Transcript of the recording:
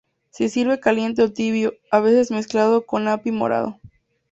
Se sirve caliente o tibio, a veces mezclado con api morado.